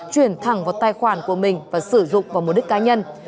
chuyển thẳng vào tài khoản của mình và sử dụng vào mục đích cá nhân